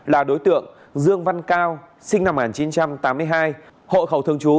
là đối tượng dương văn cao sinh năm một nghìn chín trăm tám mươi hai hộ khẩu thương chú